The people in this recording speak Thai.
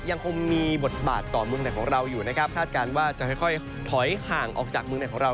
ยังคงมีบทบาทต่อเมืองไหนของเราอยู่นะครับคาดการณ์ว่าจะค่อยถอยห่างออกจากเมืองไหนของเรา